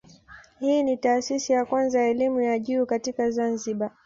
Hii ni taasisi ya kwanza ya elimu ya juu katika Zanzibar.